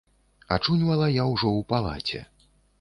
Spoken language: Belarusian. Ачуньвала я ўжо ў палаце.